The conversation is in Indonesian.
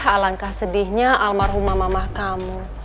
alangkah sedihnya almarhumah mamah kamu